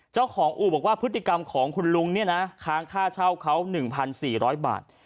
เจ้าของอู่บอกว่าพฤติกรรมของคุณลุงค้างค่าเช่าเขา๑๔๐๐บาท